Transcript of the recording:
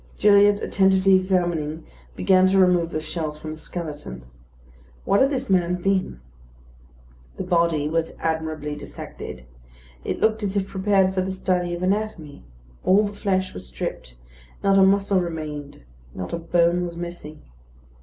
Gilliatt, attentively examining, began to remove the shells from the skeleton. What had this man been? The body was admirably dissected; it looked as if prepared for the study of anatomy; all the flesh was stripped; not a muscle remained; not a bone was missing.